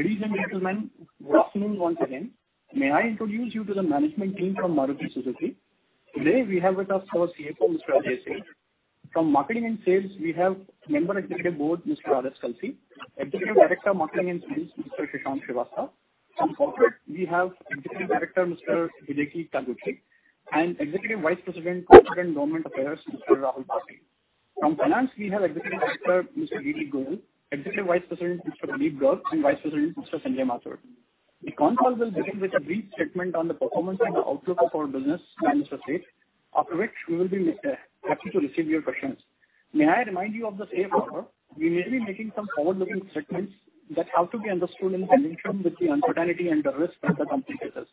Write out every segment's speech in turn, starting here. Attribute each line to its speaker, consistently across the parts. Speaker 1: Ladies and gentlemen, good afternoon once again. May I introduce you to the management team from Maruti Suzuki? Today we have with us our CFO, Mr. Ajay Seth. From Marketing and Sales, we have Member Executive Board, Mr. R S Kalsi; Executive Director, Marketing and Sales, Mr. Shashank Srivastava; from Corporate, we have Executive Director, Mr. Hideki Taguchi; and Executive Vice President, Corporate and Government Affairs, Mr. Rahul Bharti. From Finance, we have Executive Director, Mr. DD Goyal; Executive Vice President, Mr. Pradeep Garg; and Vice President, Mr. Sanjay Mathur. The call will begin with a brief statement on the performance and the outlook of our business, Mr. Seth, after which we will be happy to receive your questions. May I remind you of the CFO, sir? We may be making some forward-looking statements that have to be understood in conjunction with the uncertainty and the risk that the company faces.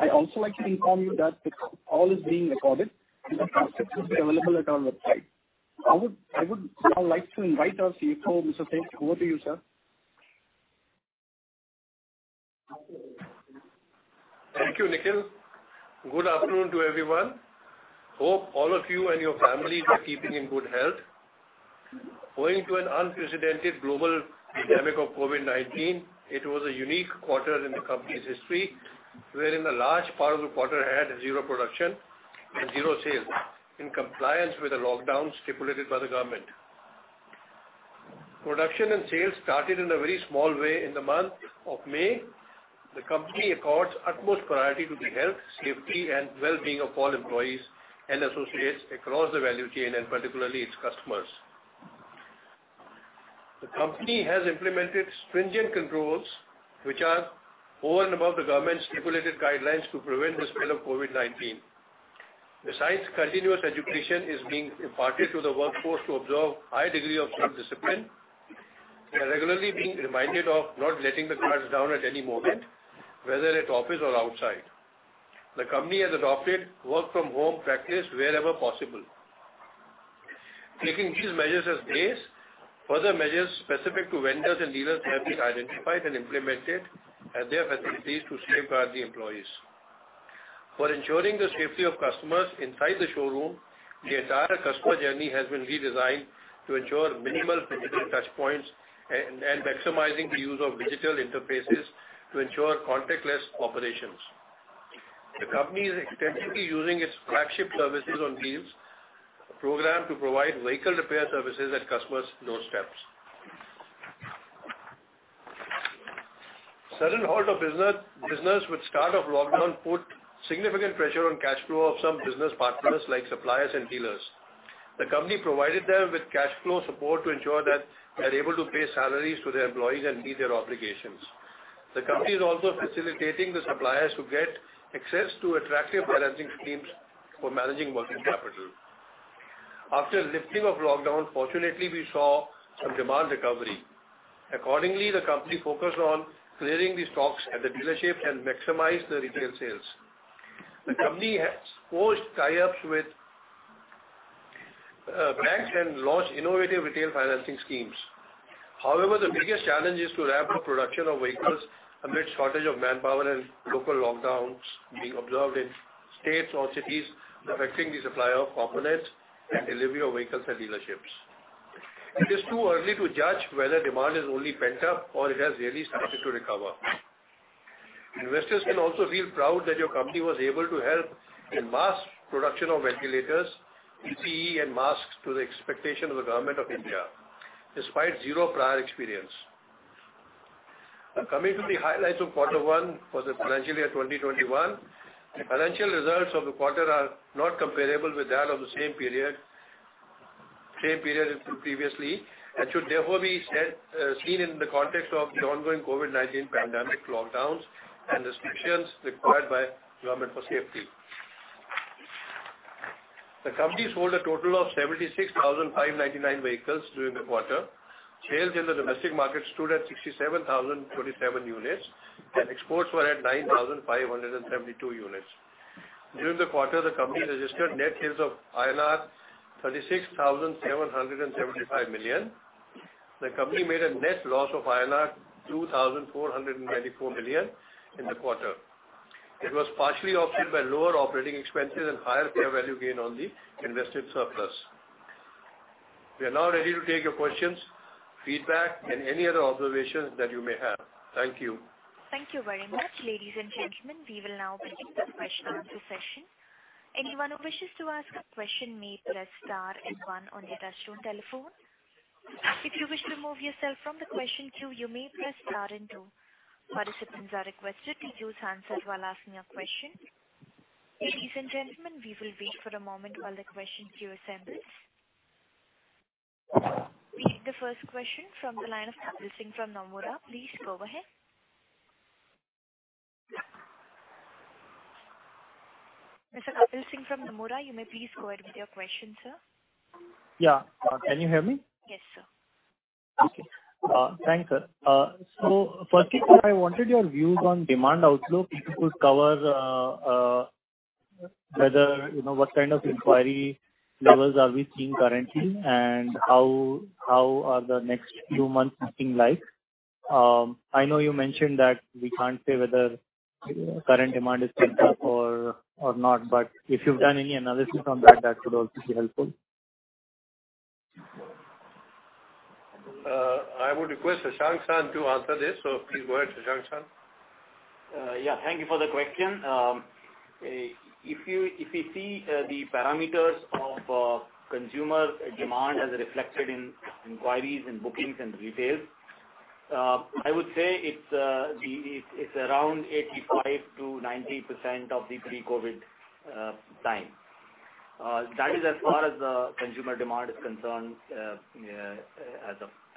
Speaker 1: I also like to inform you that the call is being recorded, and the transcript will be available at our website. I would now like to invite our CFO, Mr. Seth. Over to you, sir.
Speaker 2: Thank you, Nikhil. Good afternoon to everyone. Hope all of you and your families are keeping in good health. Owing to an unprecedented global pandemic of COVID-19, it was a unique quarter in the company's history, wherein a large part of the quarter had zero production and zero sales in compliance with the lockdown stipulated by the government. Production and sales started in a very small way in the month of May. The company accords utmost priority to the health, safety, and well-being of all employees and associates across the value chain, and particularly its customers. The company has implemented stringent controls, which are over and above the government's stipulated guidelines to prevent the spread of COVID-19. Besides, continuous education is being imparted to the workforce to observe a high degree of self-discipline, and regularly being reminded of not letting the guards down at any moment, whether at office or outside. The company has adopted work-from-home practice wherever possible. Taking these measures as base, further measures specific to vendors and dealers have been identified and implemented at their facilities to safeguard the employees. For ensuring the safety of customers inside the showroom, the entire customer journey has been redesigned to ensure minimal physical touchpoints and maximizing the use of digital interfaces to ensure contactless operations. The company is extensively using its flagship services on wheels, a program to provide vehicle repair services at customers' doorsteps. Sudden halt of business with start of lockdown put significant pressure on cash flow of some business partners like suppliers and dealers. The company provided them with cash flow support to ensure that they are able to pay salaries to their employees and meet their obligations. The company is also facilitating the suppliers to get access to attractive financing schemes for managing working capital. After the lifting of lockdown, fortunately, we saw some demand recovery. Accordingly, the company focused on clearing the stocks at the dealership and maximized the retail sales. The company has forged tie-ups with banks and launched innovative retail financing schemes. However, the biggest challenge is to ramp up production of vehicles amid shortage of manpower and local lockdowns being observed in states or cities, affecting the supply of components and delivery of vehicles at dealerships. It is too early to judge whether demand has only pent up or it has really started to recover. Investors can also feel proud that your company was able to help in mask production of ventilators, PPE, and masks to the expectation of the government of India, despite zero prior experience. Coming to the highlights of Quarter One for the financial year 2021, the financial results of the quarter are not comparable with that of the same period previously, and should therefore be seen in the context of the ongoing COVID-19 pandemic lockdowns and restrictions required by the government for safety. The company sold a total of 76,599 vehicles during the quarter. Sales in the domestic market stood at 67,027 units, and exports were at 9,572 units. During the quarter, the company registered net sales of INR 36,775 million. The company made a net loss of INR 2,494 million in the quarter. It was partially offset by lower operating expenses and higher fair value gain on the invested surplus. We are now ready to take your questions, feedback, and any other observations that you may have. Thank you.
Speaker 3: Thank you very much, ladies and gentlemen. We will now begin the question-and-answer session. Anyone who wishes to ask a question may press * and 1 on the touchscreen telephone. If you wish to remove yourself from the question queue, you may press * and 2. Participants are requested to choose answer while asking a question. Ladies and gentlemen, we will wait for a moment while the question queue assembles. We have the first question from the line of Kapil Singh from Nomura. Please go ahead. Mr. Kapil Singh from Nomura, you may please go ahead with your question, sir.
Speaker 4: Yeah. Can you hear me?
Speaker 3: Yes, sir.
Speaker 4: Okay. Thanks, sir. Firstly, sir, I wanted your views on demand outlook. You could cover whether what kind of inquiry levels are we seeing currently, and how are the next few months looking like. I know you mentioned that we can't say whether current demand is pent up or not, but if you've done any analysis on that, that would also be helpful.
Speaker 2: I would request Shashank Sir to answer this, so please go ahead, Shashank Sir.
Speaker 5: Yeah. Thank you for the question. If we see the parameters of consumer demand as reflected in inquiries and bookings and retail, I would say it's around 85%-90% of the pre-COVID time. That is as far as the consumer demand is concerned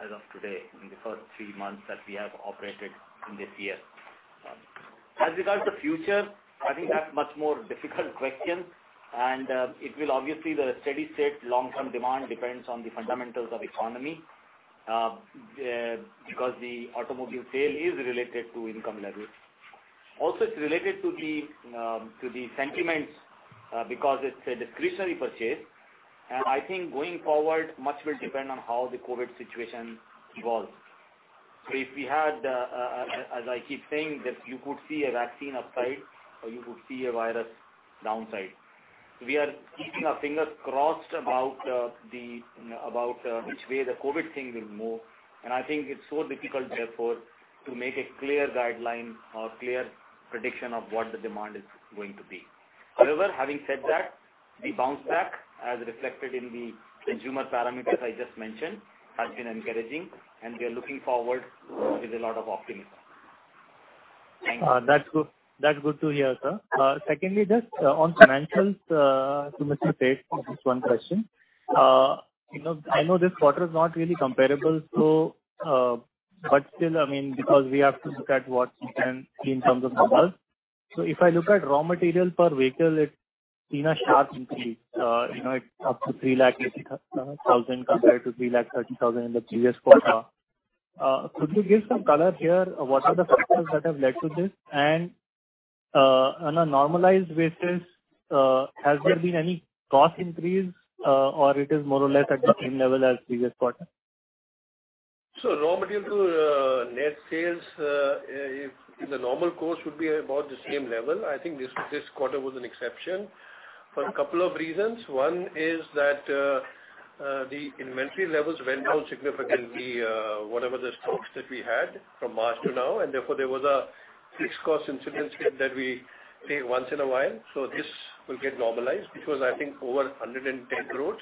Speaker 5: as of today, in the first three months that we have operated in this year. As regards the future, I think that's a much more difficult question, and it will obviously be a steady state. Long-term demand depends on the fundamentals of the economy because the automobile sale is related to income levels. Also, it's related to the sentiments because it's a discretionary purchase. I think going forward, much will depend on how the COVID situation evolves. If we had, as I keep saying, that you could see a vaccine upside or you could see a virus downside. We are keeping our fingers crossed about which way the COVID thing will move, and I think it's so difficult therefore to make a clear guideline or clear prediction of what the demand is going to be. However, having said that, the bounce back, as reflected in the consumer parameters I just mentioned, has been encouraging, and we are looking forward with a lot of optimism. Thank you.
Speaker 4: That's good to hear, sir. Secondly, just on financials, to Mr. Seth, just one question. I know this quarter is not really comparable, but still, I mean, because we have to look at what we can see in terms of numbers. If I look at raw material per vehicle, it's seen a sharp increase. It's up to 300,000 compared to 330,000 in the previous quarter. Could you give some color here? What are the factors that have led to this? On a normalized basis, has there been any cost increase, or is it more or less at the same level as previous quarter?
Speaker 2: Raw material to net sales, in the normal course, would be about the same level. I think this quarter was an exception for a couple of reasons. One is that the inventory levels went down significantly, whatever the stocks that we had from March to now, and therefore there was a fixed cost incidence that we take once in a while. This will get normalized because I think over 110 crore.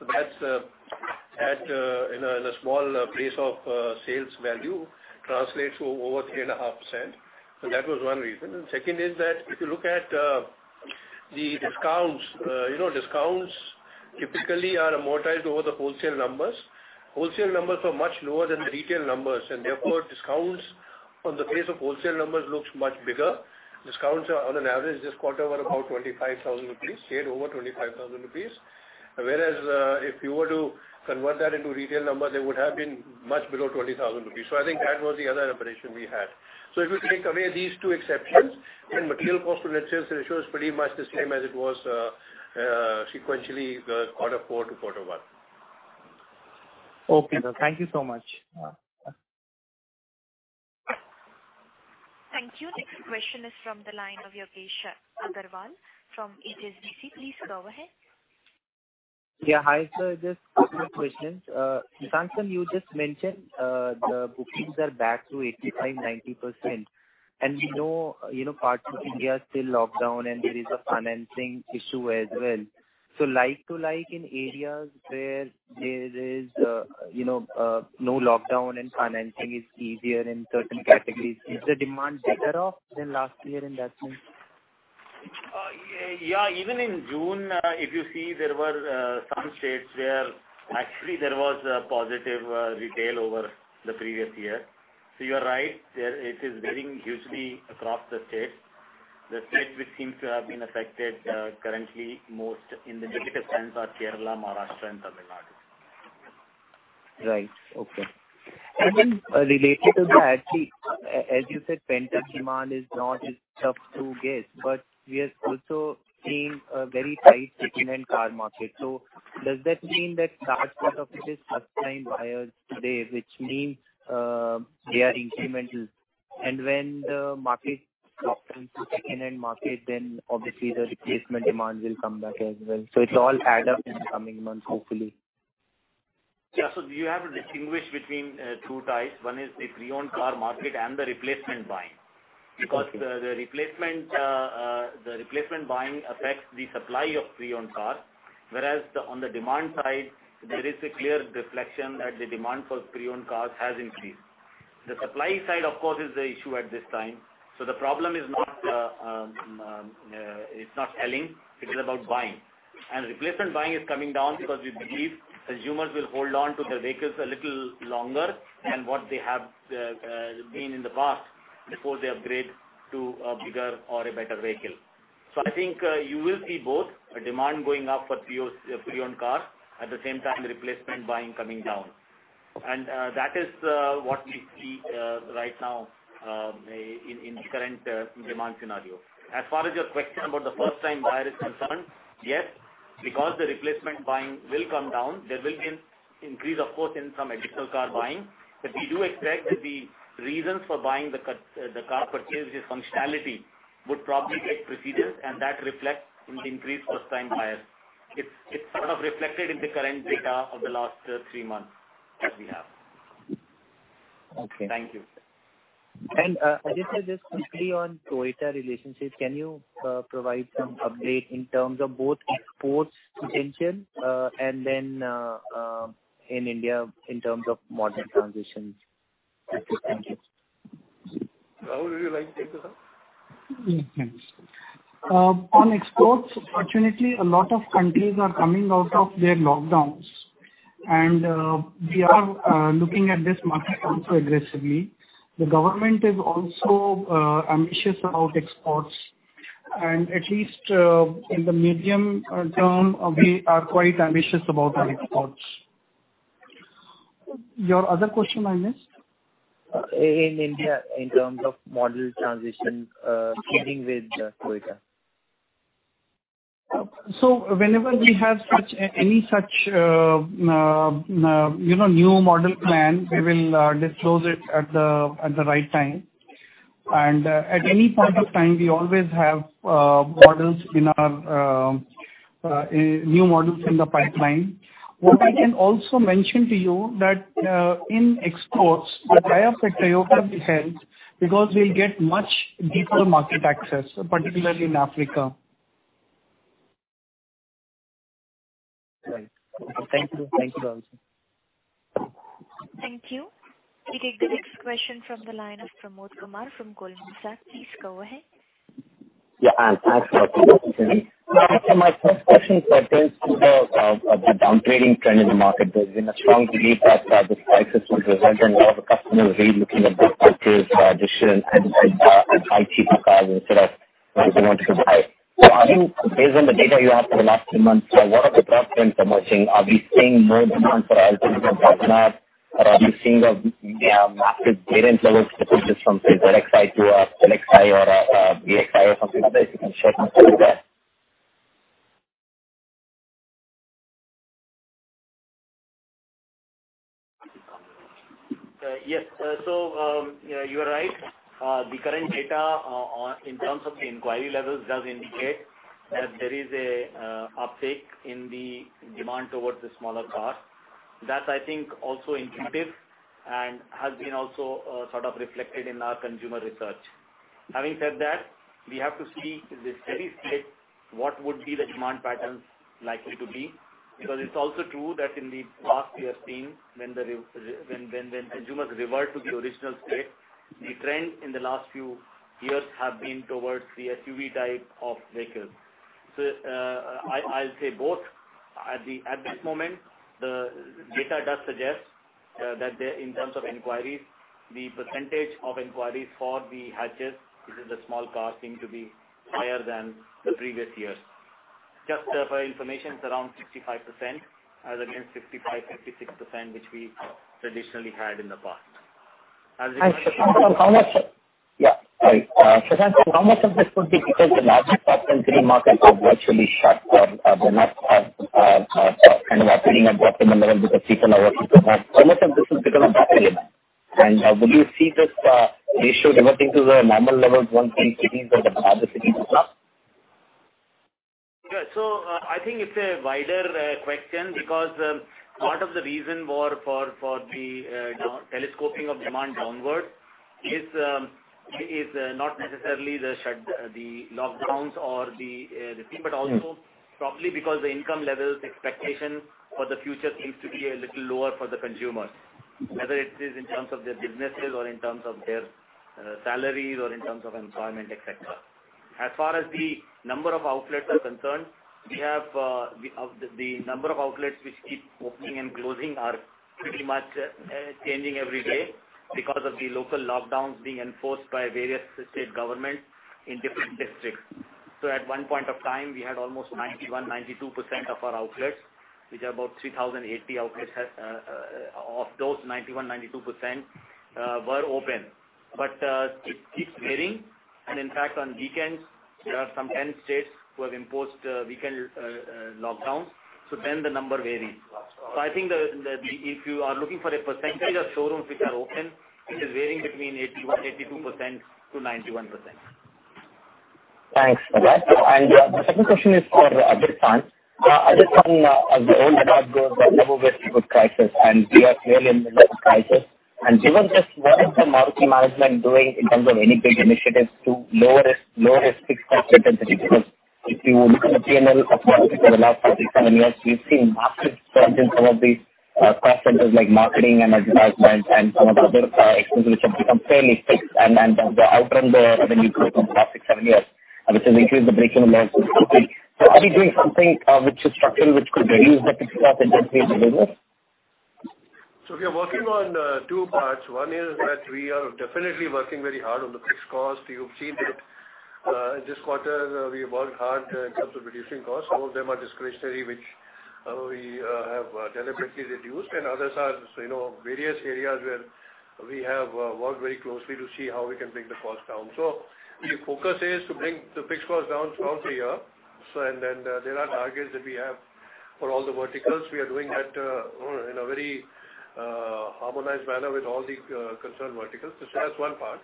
Speaker 2: That in a small place of sales value translates to over 3.5%. That was one reason. Second is that if you look at the discounts, discounts typically are amortized over the wholesale numbers. Wholesale numbers are much lower than the retail numbers, and therefore discounts on the face of wholesale numbers look much bigger. Discounts on an average this quarter were about 25,000 rupees, shared over 25,000 rupees, whereas if you were to convert that into retail numbers, they would have been much below 20,000 rupees. I think that was the other operation we had. If we take away these two exceptions, then material cost to net sales ratio is pretty much the same as it was sequentially quarter four to quarter one.
Speaker 4: Okay. Thank you so much.
Speaker 3: Thank you. Next question is from the line of Yogesh Aggarwal from HSBC. Please go ahead.
Speaker 6: Yeah. Hi, sir. Just a couple of questions. Shashank San, you just mentioned the bookings are back to 85-90%, and we know parts of India are still locked down, and there is a financing issue as well. Like-to-like in areas where there is no lockdown and financing is easier in certain categories, is the demand better off than last year in that sense?
Speaker 5: Yeah. Even in June, if you see, there were some states where actually there was a positive retail over the previous year. You are right. It is varying hugely across the states. The states which seem to have been affected currently most in the negative sense are Kerala, Maharashtra, and Tamil Nadu.
Speaker 6: Right. Okay. Related to that, as you said, pent-up demand is not as tough to guess, but we are also seeing a very tight secondhand car market. Does that mean that a large part of it is first-time buyers today, which means they are incremental? When the market softens to secondhand market, then obviously the replacement demand will come back as well. It will all add up in the coming months, hopefully.
Speaker 5: Yeah. You have to distinguish between two ties. One is the pre-owned car market and the replacement buying. Because the replacement buying affects the supply of pre-owned cars, whereas on the demand side, there is a clear reflection that the demand for pre-owned cars has increased. The supply side, of course, is the issue at this time. The problem is not selling. It is about buying. Replacement buying is coming down because we believe consumers will hold on to their vehicles a little longer than what they have been in the past before they upgrade to a bigger or a better vehicle. I think you will see both, a demand going up for pre-owned cars, at the same time replacement buying coming down. That is what we see right now in the current demand scenario. As far as your question about the first-time buyers is concerned, yes, because the replacement buying will come down, there will be an increase, of course, in some additional car buying. We do expect that the reasons for buying the car purchase, which is functionality, would probably take precedence, and that reflects in the increased first-time buyers. It is sort of reflected in the current data of the last three months that we have.
Speaker 6: Okay. Thank you. Just to quickly on Toyota relationship, can you provide some update in terms of both exports potential and then in India in terms of model transitions? Thank you.
Speaker 2: Rahul, would you like to take this up?
Speaker 7: On exports, fortunately, a lot of countries are coming out of their lockdowns, and we are looking at this market also aggressively. The government is also ambitious about exports, and at least in the medium term, we are quite ambitious about our exports. Your other question I missed?
Speaker 6: In India, in terms of model transition, keeping with Toyota?
Speaker 7: Whenever we have any such new model plan, we will disclose it at the right time. At any point of time, we always have new models in the pipeline. What I can also mention to you is that in exports, the tie-up with Toyota will help because we'll get much deeper market access, particularly in Africa.
Speaker 6: Right. Okay. Thank you. Thank you also.
Speaker 3: Thank you. We take the next question from the line of Pramod Kumar from Goldman Sachs. Please go ahead.
Speaker 8: Yeah. Thanks, Rahul. My first question pertains to the downtrading trend in the market. There has been a strong belief that this crisis will result in a lot of customers relooking at their purchase decision and buying cheaper cars instead of what they wanted to buy. Based on the data you have for the last few months, what are the broad trends emerging? Are we seeing more demand for our alternative partner, or are we seeing a massive variance level shifting just from a ZXI to a LXI or a VXI or something other? If you can share something with us.
Speaker 5: Yes. You are right. The current data in terms of the inquiry levels does indicate that there is an uptake in the demand towards the smaller cars. That's, I think, also intuitive and has been also sort of reflected in our consumer research. Having said that, we have to see the steady state, what would be the demand patterns likely to be? Because it's also true that in the past, we have seen when consumers revert to the original state, the trend in the last few years has been towards the SUV type of vehicles. I'll say both. At this moment, the data does suggest that in terms of inquiries, the percentage of inquiries for the hatches, which is the small car, seem to be higher than the previous years. Just for information, it's around 65% as against 55-56%, which we traditionally had in the past. As regards to.
Speaker 8: Shashank,, how much of this would be because the larger parts and city markets are virtually shut or they're not kind of operating at the optimum level because people are working from home? How much of this is because of that element? Would you see this ratio reverting to the normal level once these cities or the other cities are shut?
Speaker 5: Yeah. I think it's a wider question because part of the reason for the telescoping of demand downward is not necessarily the lockdowns or the thing, but also probably because the income level expectation for the future seems to be a little lower for the consumers, whether it is in terms of their businesses or in terms of their salaries or in terms of employment, etc. As far as the number of outlets are concerned, we have the number of outlets which keep opening and closing are pretty much changing every day because of the local lockdowns being enforced by various state governments in different districts. At one point of time, we had almost 91-92% of our outlets, which are about 3,080 outlets. Of those, 91-92% were open, but it keeps varying. In fact, on weekends, there are some 10 states who have imposed weekend lockdowns. The number varies. I think if you are looking for a percentage of showrooms which are open, it is varying between 81%-82% to 91%.
Speaker 8: Thanks. The second question is for Ajay Seth. Ajay Seth, as the old adage goes, there's never a very good crisis, and we are clearly in the middle of a crisis. Given this, what is the market management doing in terms of any big initiatives to lower its fixed cost intensity? Because if you look at the P&L of markets for the last five, six, seven years, we've seen massive change in some of the cost centers like marketing and advertisement and some of the other things which have become fairly fixed. The outbound there, when you go from five, six, seven years, which has increased the break-even levels, it's too big. Are we doing something which is structural which could reduce the fixed cost intensity in the business?
Speaker 2: We are working on two parts. One is that we are definitely working very hard on the fixed cost. You've seen that this quarter, we have worked hard in terms of reducing costs. Most of them are discretionary, which we have deliberately reduced, and others are various areas where we have worked very closely to see how we can bring the cost down. The focus is to bring the fixed cost down throughout the year. There are targets that we have for all the verticals. We are doing that in a very harmonized manner with all the concerned verticals. That's one part.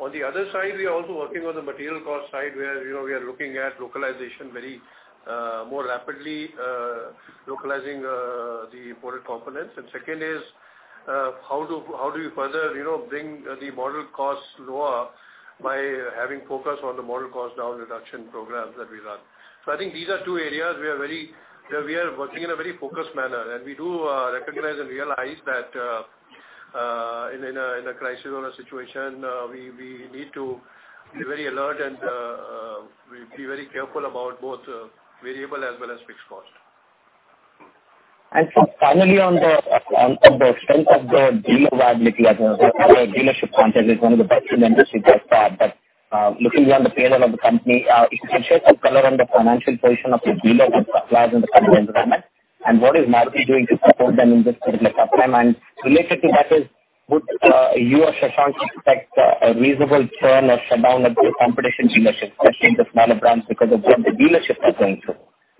Speaker 2: On the other side, we are also working on the material cost side where we are looking at localization very more rapidly, localizing the imported components. Second is, how do we further bring the model costs lower by having focus on the model cost down reduction programs that we run? I think these are two areas where we are working in a very focused manner. We do recognize and realize that in a crisis or a situation, we need to be very alert and be very careful about both variable as well as fixed cost.
Speaker 8: Finally, on the strength of the dealer viability as a dealership context, it's one of the best in the industry so far. Looking beyond the P&L of the company, if you can shed some color on the financial position of the dealers and suppliers in the current environment, and what is Maruti doing to support them in this particular tough time? Related to that, would you or Shashank expect a reasonable turn or shutdown of the competition dealerships, especially the smaller brands, because of what the dealerships are going through?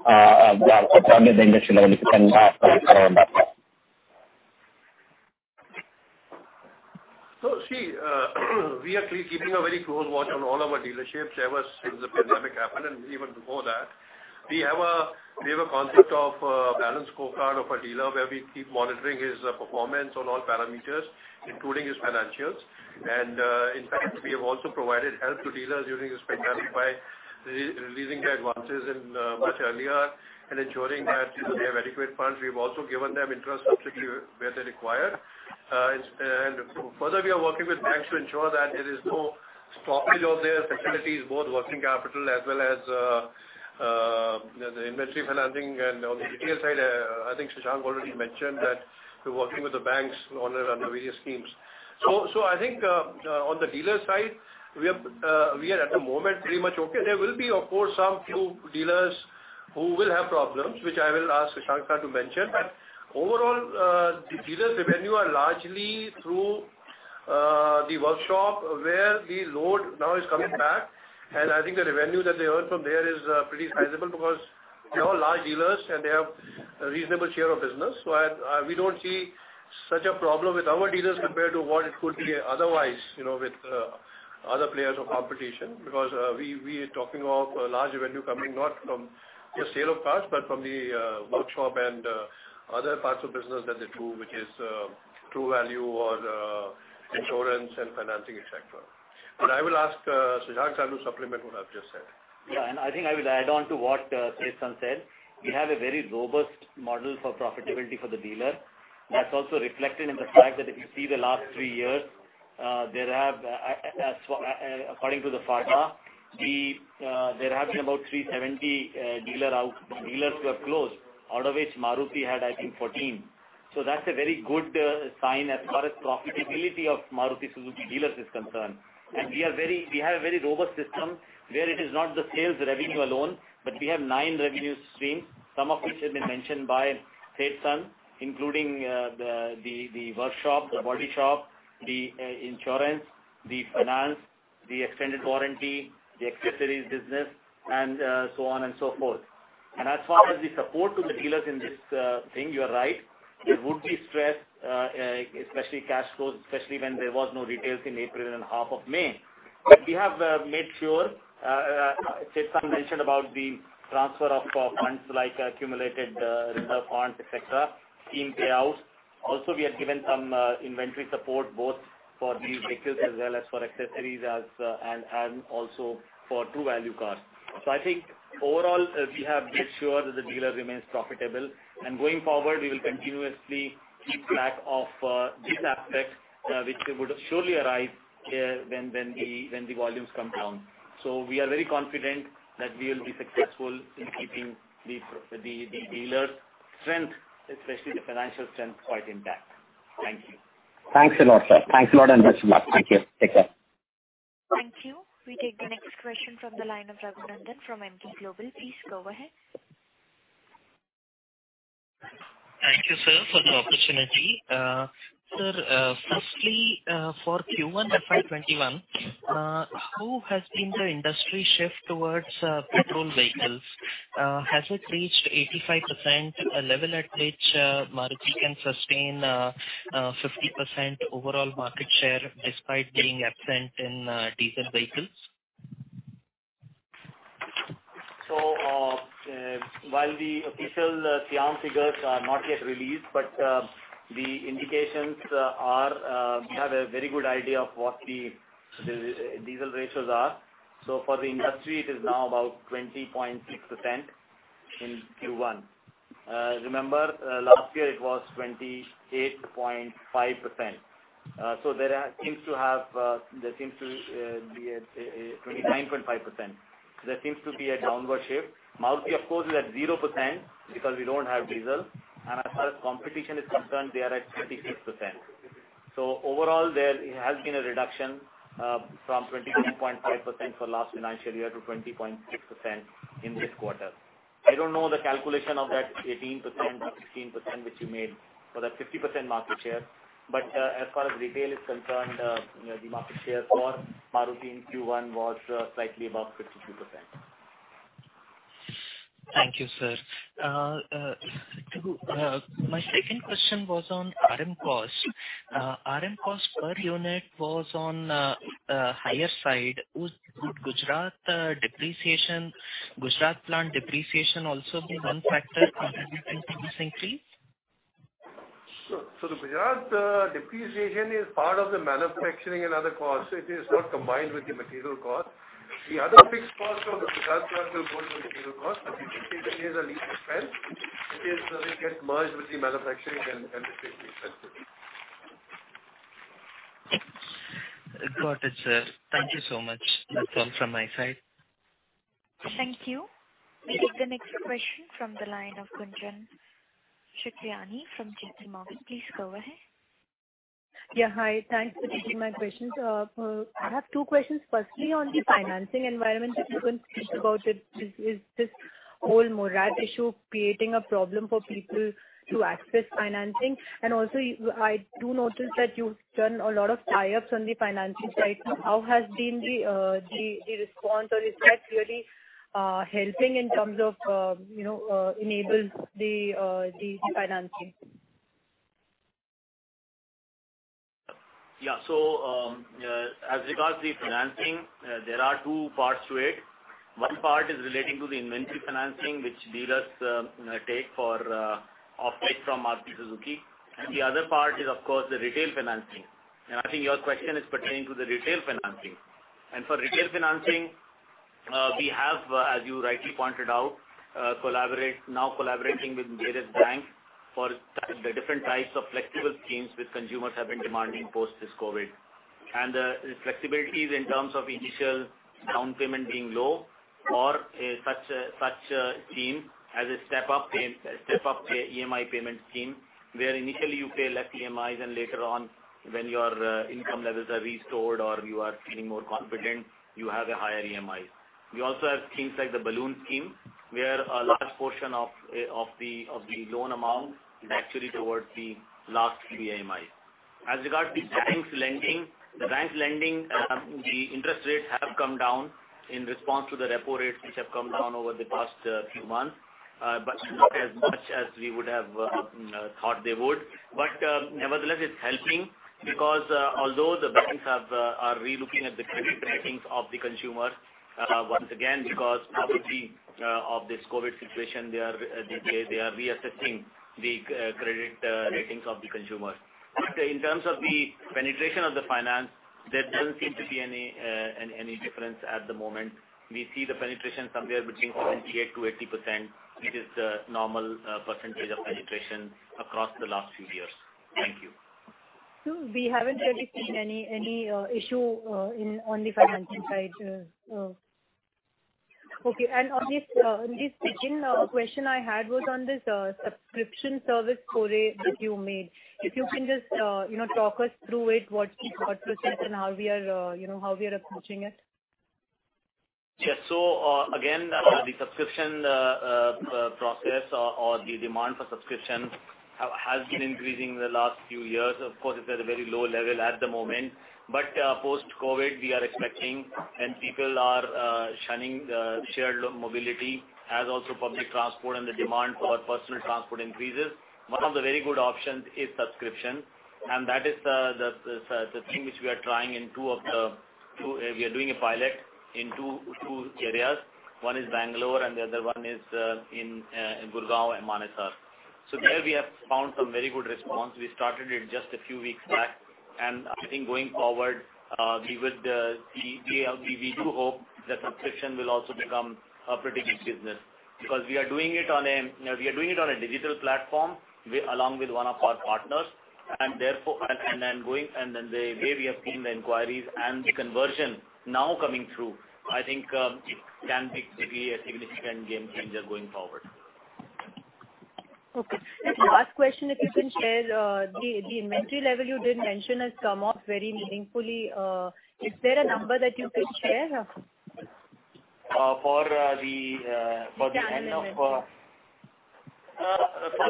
Speaker 8: Probably at the industry level, if you can provide color on that.
Speaker 2: We are keeping a very close watch on all our dealerships ever since the pandemic happened and even before that. We have a concept of a balanced scorecard of a dealer where we keep monitoring his performance on all parameters, including his financials. In fact, we have also provided help to dealers during this pandemic by releasing their advances much earlier and ensuring that they have adequate funds. We've also given them interest subsidies where they require. Further, we are working with banks to ensure that there is no stoppage of their facilities, both working capital as well as the inventory financing. On the retail side, I think Shashank already mentioned that we're working with the banks under various schemes. I think on the dealer side, we are at the moment pretty much okay. There will be, of course, some few dealers who will have problems, which I will ask Shashank Srivastava to mention. Overall, the dealers' revenue is largely through the workshop where the load now is coming back. I think the revenue that they earn from there is pretty sizable because they are all large dealers and they have a reasonable share of business. We do not see such a problem with our dealers compared to what it could be otherwise with other players of competition because we are talking of large revenue coming not from the sale of cars, but from the workshop and other parts of business that they do, which is True Value or insurance and financing, etc. I will ask Shashank Srivastava to supplement what I have just said.
Speaker 5: Yeah. I think I will add on to what Ajay Seth said. We have a very robust model for profitability for the dealer. That is also reflected in the fact that if you see the last three years, there have, according to the FADA, been about 370 dealers who have closed, out of which Maruti had, I think, 14. That is a very good sign as far as profitability of Maruti Suzuki dealers is concerned. We have a very robust system where it is not the sales revenue alone, but we have nine revenue streams, some of which have been mentioned by Ajay Seth, including the workshop, the body shop, the insurance, the finance, the extended warranty, the accessories business, and so on and so forth. As far as the support to the dealers in this thing, you are right, there would be stress, especially cash flows, especially when there was no retail in April and half of May. We have made sure Ajay Seth mentioned about the transfer of funds like accumulated reserve funds, etc., scheme payouts. Also, we have given some inventory support both for these vehicles as well as for accessories and also for True Value cars. I think overall, we have made sure that the dealer remains profitable. Going forward, we will continuously keep track of this aspect, which would surely arise when the volumes come down. We are very confident that we will be successful in keeping the dealers' strength, especially the financial strength, quite intact. Thank you.
Speaker 8: Thanks a lot, sir. Thanks a lot and best of luck. Thank you. Take care.
Speaker 3: Thank you. We take the next question from the line of Raghu Nandhan from Emkay Global. Please go ahead.
Speaker 9: Thank you, sir, for the opportunity. Sir, firstly, for Q1 FY2021, who has been the industry shift towards petrol vehicles? Has it reached 85%, a level at which Maruti can sustain 50% overall market share despite being absent in diesel vehicles?
Speaker 5: While the official SIAM figures are not yet released, the indications are we have a very good idea of what the diesel ratios are. For the industry, it is now about 20.6% in Q1. Remember, last year, it was 28.5%. There seems to be a 29.5%. There seems to be a downward shift. Maruti, of course, is at 0% because we do not have diesel. As far as competition is concerned, they are at 26%. Overall, there has been a reduction from 22.5% for last financial year to 20.6% in this quarter. I do not know the calculation of that 18%, 16% which you made for that 50% market share. As far as retail is concerned, the market share for Maruti in Q1 was slightly above 52%.
Speaker 9: Thank you, sir. My second question was on RM cost. RM cost per unit was on the higher side. Would Gujarat plant depreciation also be one factor contributing to this increase?
Speaker 2: Sure. The Gujarat depreciation is part of the manufacturing and other costs. It is not combined with the material cost. The other fixed cost of the Gujarat plant will go to the material cost. Depreciation is a lease expense, which is, it gets merged with the manufacturing and depreciation expenses.
Speaker 9: Got it, sir. Thank you so much. That's all from my side.
Speaker 3: Thank you. We take the next question from the line of Gunjan Prithyani from J.P. Morgan. Please go ahead.
Speaker 10: Yeah, hi. Thanks for taking my questions. I have two questions. Firstly, on the financing environment, if you can speak about it, is this whole moratorium issue creating a problem for people to access financing? I do notice that you've done a lot of tie-ups on the financing side. How has been the response? Is that really helping in terms of enabling the financing?
Speaker 5: Yeah. As regards the financing, there are two parts to it. One part is relating to the inventory financing, which dealers take for offtake from Maruti Suzuki. The other part is, of course, the retail financing. I think your question is pertaining to the retail financing. For retail financing, we have, as you rightly pointed out, now collaborating with various banks for the different types of flexible schemes which consumers have been demanding post this COVID. The flexibility is in terms of initial down payment being low or such a scheme as a step-up EMI payment scheme where initially you pay less EMIs and later on, when your income levels are restored or you are feeling more confident, you have a higher EMI. We also have schemes like the balloon scheme where a large portion of the loan amount is actually towards the last EMI. As regards to banks lending, the banks lending, the interest rates have come down in response to the repo rates which have come down over the past few months, but not as much as we would have thought they would. Nevertheless, it's helping because although the banks are re-looking at the credit ratings of the consumers once again because probably of this COVID situation, they are reassessing the credit ratings of the consumers. In terms of the penetration of the finance, there doesn't seem to be any difference at the moment. We see the penetration somewhere between 78-80%, which is the normal percentage of penetration across the last few years. Thank you.
Speaker 10: We haven't really seen any issue on the financial side. Okay. On this second question I had, it was on this subscription service foray that you made. If you can just talk us through it, what process and how we are approaching it?
Speaker 5: Yes. The subscription process or the demand for subscription has been increasing in the last few years. Of course, it's at a very low level at the moment. Post-COVID, we are expecting, and people are shunning shared mobility as also public transport, and the demand for personal transport increases. One of the very good options is subscription. That is the thing which we are trying in two of the—we are doing a pilot in two areas. One is Bangalore and the other one is in Gurgaon and Manesar. There we have found some very good response. We started it just a few weeks back. I think going forward, we would see, we do hope that subscription will also become a pretty good business because we are doing it on a digital platform along with one of our partners. The way we have seen the inquiries and the conversion now coming through, I think it can be a significant game changer going forward.
Speaker 10: Okay. Last question, if you can share. The inventory level you did mention has come up very meaningfully. Is there a number that you can share?
Speaker 5: For the end of for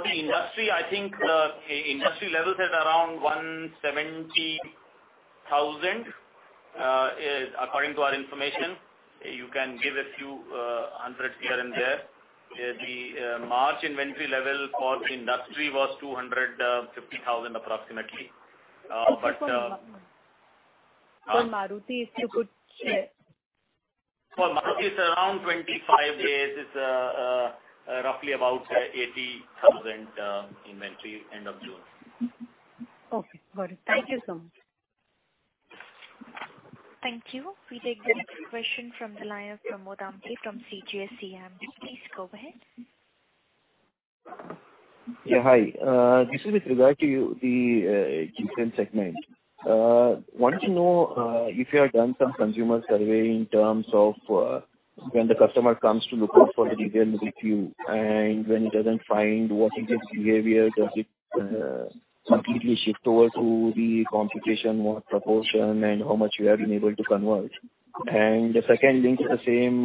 Speaker 5: the industry, I think the industry level is at around 170,000, according to our information. You can give a few hundreds here and there. The March inventory level for the industry was 250,000 approximately.
Speaker 10: For Maruti, if you could share.
Speaker 5: For Maruti, it's around 25 days. It's roughly about 80,000 inventory end of June.
Speaker 10: Okay. Got it. Thank you so much.
Speaker 3: Thank you. We take the next question from the line of Pramod Amthe from CGS-CIMB. Please go ahead.
Speaker 11: Yeah. Hi. This is with regard to the Gsegment. I want to know if you have done some consumer survey in terms of when the customer comes to look out for the retail with you and when he does not find what is his behavior, does it completely shift over to the competition, what proportion, and how much you have been able to convert? The second, linked to the same,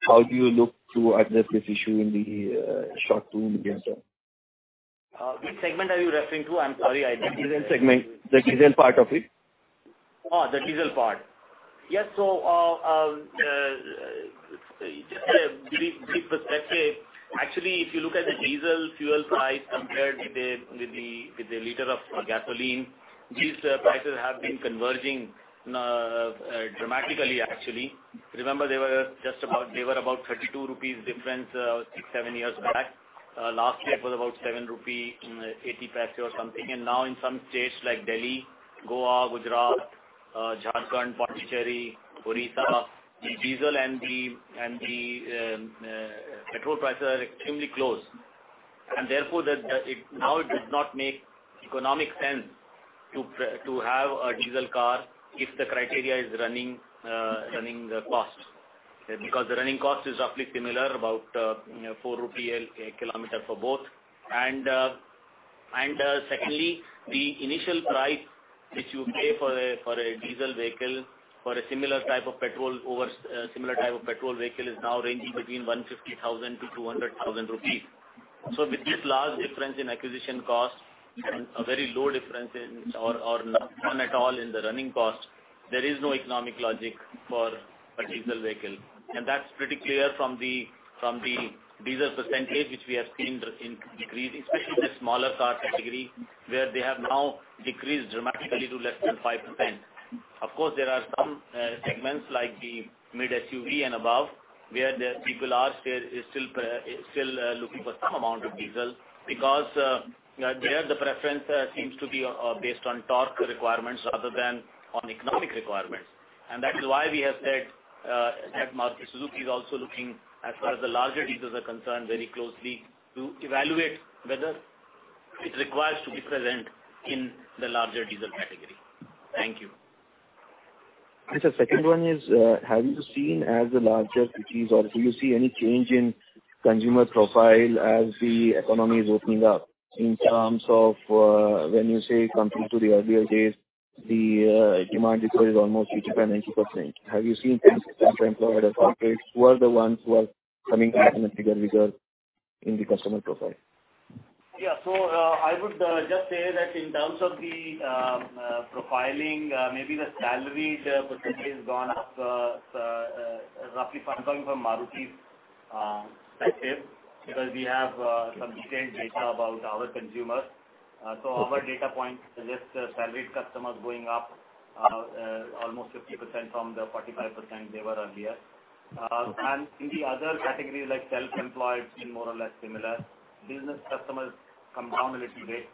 Speaker 11: how do you look to address this issue in the short-term, medium term?
Speaker 5: Which segment are you referring to? I'm sorry.
Speaker 11: The diesel segment. The diesel part of it.
Speaker 5: Oh, the diesel part. Yes. Just a brief perspective. Actually, if you look at the diesel fuel price compared with the liter of gasoline, these prices have been converging dramatically, actually. Remember, they were just about they were about 32 rupees difference six, seven years back. Last year, it was about 7.80 rupee or something. Now in some states like Delhi, Goa, Gujarat, Jharkhand, Puducherry, Odisha, the diesel and the petrol prices are extremely close. Therefore, now it does not make economic sense to have a diesel car if the criteria is running cost because the running cost is roughly similar, about 4 rupee a kilometer for both. Secondly, the initial price which you pay for a diesel vehicle for a similar type of petrol over similar type of petrol vehicle is now ranging between 150,000-200,000 rupees. With this large difference in acquisition cost and a very low difference or none at all in the running cost, there is no economic logic for a diesel vehicle. That is pretty clear from the diesel percentage which we have seen decreasing, especially in the smaller car category where they have now decreased dramatically to less than 5%. Of course, there are some segments like the mid-SUV and above where people are still looking for some amount of diesel because there the preference seems to be based on torque requirements rather than on economic requirements. That is why we have said that Maruti Suzuki is also looking, as far as the larger diesels are concerned, very closely to evaluate whether it requires to be present in the larger diesel category. Thank you.
Speaker 11: The second one is, have you seen as the larger cities or do you see any change in consumer profile as the economy is opening up in terms of when you say compared to the earlier days, the demand is almost 85-90%? Have you seen things for employers or corporates who are the ones who are coming in and figure with the customer profile?
Speaker 12: Yeah. I would just say that in terms of the profiling, maybe the salaried percentage has gone up roughly, I'm talking from Maruti's perspective because we have some detailed data about our consumers. Our data points suggest salaried customers going up almost 50% from the 45% they were earlier. In the other categories like self-employed, it's been more or less similar. Business customers have come down a little bit.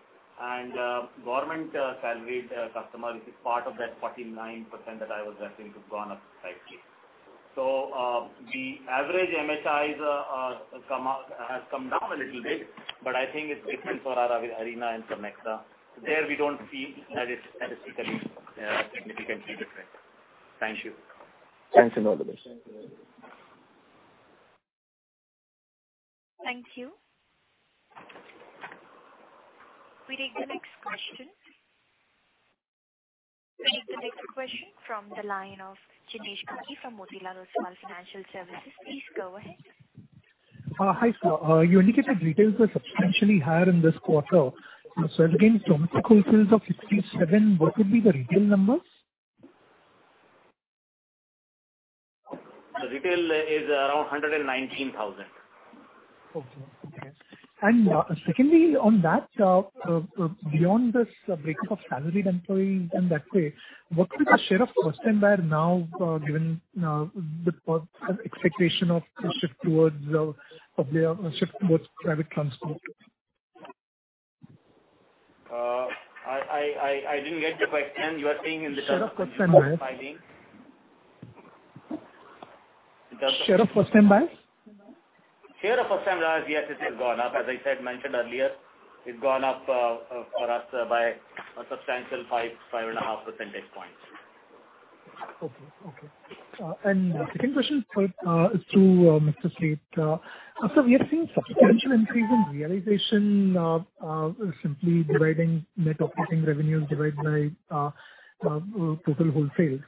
Speaker 12: Government salaried customers, it's part of that 49% that I was referring to, has gone up slightly. The average MHI has come down a little bit, but I think it's different for Arena and NEXA. There we don't see that it's statistically significantly different. Thank you.
Speaker 11: Thanks a lot, guys.
Speaker 3: Thank you. We take the next question. We take the next question from the line of Jinesh Gandhi from Motilal Oswal Financial Services. Please go ahead.
Speaker 13: Hi, sir. You indicated retail was substantially higher in this quarter. Again, from the wholesales of 57, what would be the retail numbers?
Speaker 5: The retail is around 119,000.
Speaker 13: Okay. Okay. Secondly, on that, beyond this breakup of salaried employees and that way, what would be the share of first-time buyers now given the expectation of shift towards private transport?
Speaker 5: I didn't get your question. You are saying in the terms of profiling?
Speaker 13: Share of first-time buyers?
Speaker 5: Share of first-time buyers, yes, it has gone up. As I mentioned earlier, it's gone up for us by a substantial 5-5.5 percentage points.
Speaker 13: Okay. Okay. The second question is to Mr. Seth. After we have seen substantial increase in realization, simply dividing net operating revenues divided by total wholesale,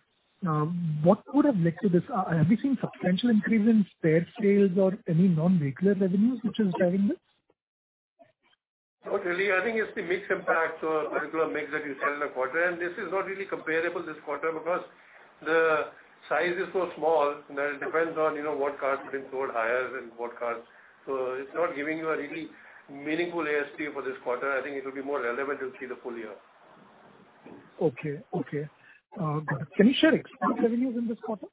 Speaker 13: what would have led to this? Have you seen substantial increase in spare sales or any non-vehicular revenues which is driving this?
Speaker 2: Not really. I think it's the mix impact of the regular mix that you said in the quarter. This is not really comparable this quarter because the size is so small that it depends on what cars are being sold higher and what cars. It's not giving you a really meaningful ASP for this quarter. I think it will be more relevant to see the full year.
Speaker 13: Okay. Okay. Can you share export revenues in this quarter?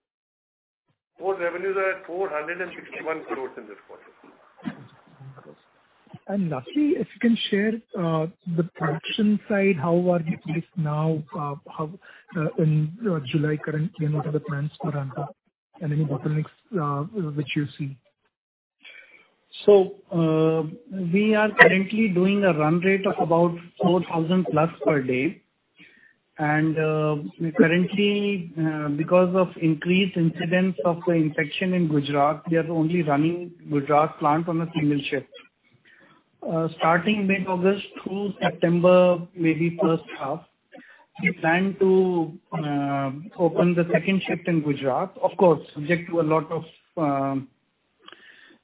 Speaker 2: Import revenues are at 461 crore in this quarter.
Speaker 13: Okay. Lastly, if you can share the production side, how are you placed now in July currently and what are the plans for and any bottlenecks which you see?
Speaker 7: We are currently doing a run rate of about 4,000 plus per day. Currently, because of increased incidence of the infection in Gujarat, we are only running the Gujarat plant on a single shift. Starting mid-August through September, maybe first half, we plan to open the second shift in Gujarat. Of course, subject to a lot of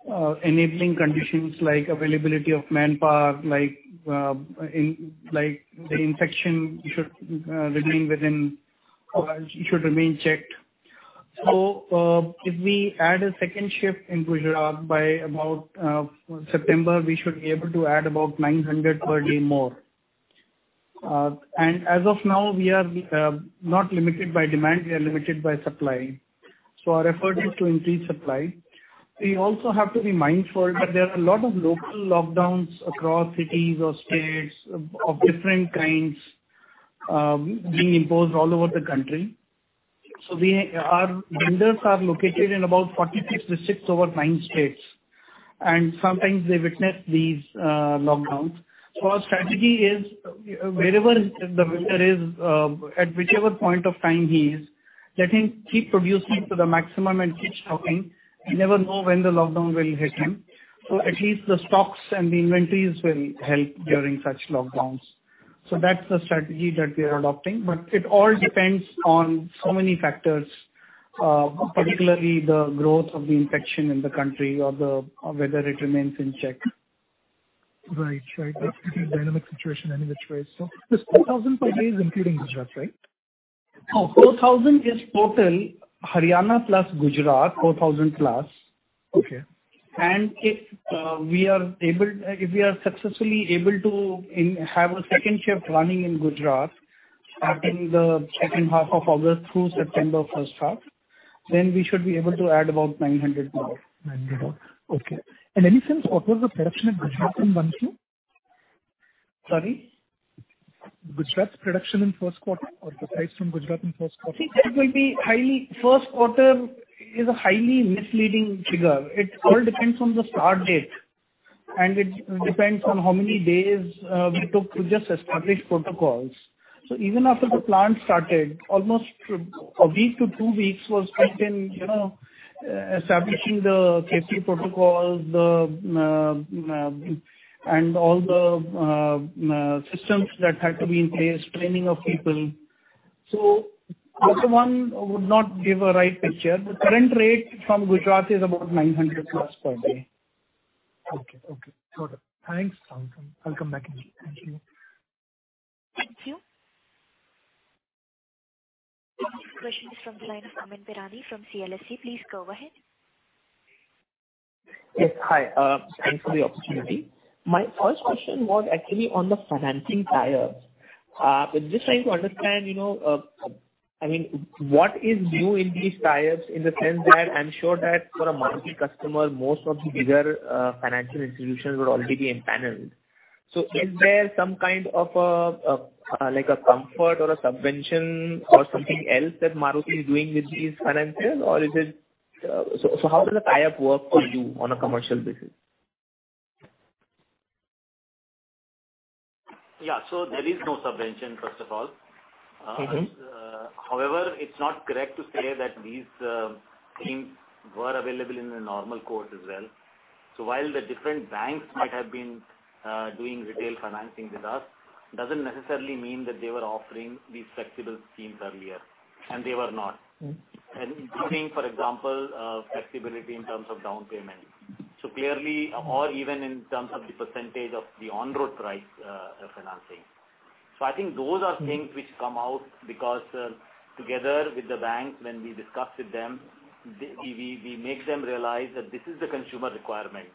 Speaker 7: enabling conditions like availability of manpower, like the infection should remain within, should remain checked. If we add a second shift in Gujarat by about September, we should be able to add about 900 per day more. As of now, we are not limited by demand. We are limited by supply. Our effort is to increase supply. We also have to be mindful that there are a lot of local lockdowns across cities or states of different kinds being imposed all over the country. Our vendors are located in about 46 districts over nine states. Sometimes they witness these lockdowns. Our strategy is wherever the vendor is, at whichever point of time he is, let him keep producing to the maximum and keep stocking. You never know when the lockdown will hit him. At least the stocks and the inventories will help during such lockdowns. That is the strategy that we are adopting. It all depends on so many factors, particularly the growth of the infection in the country or whether it remains in check.
Speaker 13: Right. Right. That's a pretty dynamic situation, I know which way. This 4,000 per day is including Gujarat, right?
Speaker 7: Oh, 4,000 is total Haryana plus Gujarat, 4,000 plus.
Speaker 13: Okay.
Speaker 9: If we are successfully able to have a second shift running in Gujarat in the second half of August through September first half, then we should be able to add about 900 more.
Speaker 13: 900 more. Okay. In any sense, what was the production in Gujarat in one year?
Speaker 7: Sorry?
Speaker 13: Gujarat's production in first quarter or the price from Gujarat in first quarter?
Speaker 9: See, that will be highly, first quarter is a highly misleading figure. It all depends on the start date. It depends on how many days we took to just establish protocols. Even after the plant started, almost a week to two weeks was spent in establishing the safety protocols and all the systems that had to be in place, training of people. That one would not give a right picture. The current rate from Gujarat is about 900 plus per day.
Speaker 13: Okay. Okay. Got it. Thanks. I'll come back in. Thank you.
Speaker 3: Thank you. Next question is from the line of Amyn Pirani from CLSA. Please go ahead.
Speaker 14: Yes. Hi. Thanks for the opportunity. My first question was actually on the financing tariffs. I'm just trying to understand, I mean, what is new in these tariffs in the sense that I'm sure that for a Maruti customer, most of the bigger financial institutions would already be empaneled. Is there some kind of a comfort or a subvention or something else that Maruti is doing with these finances, or is it, so how does the tariff work for you on a commercial basis?
Speaker 5: Yeah. There is no subvention, first of all. However, it's not correct to say that these schemes were available in the normal course as well. While the different banks might have been doing retail financing with us, it doesn't necessarily mean that they were offering these flexible schemes earlier. They were not. Including, for example, flexibility in terms of down payment. Clearly, or even in terms of the % of the on-road price financing. I think those are things which come out because together with the banks, when we discuss with them, we make them realize that this is the consumer requirement.